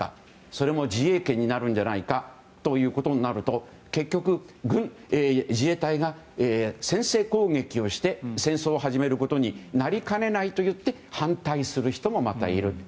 それも自衛権になるんじゃないかということになると結局、自衛隊が先制攻撃をして戦争を始めることになりかねないといって反対する人も、またいると。